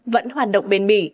vẫn hoạt động bên mỹ